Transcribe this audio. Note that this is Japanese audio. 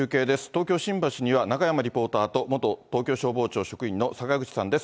東京・新橋には中山リポーターと、元東京消防庁職員の坂口さんです。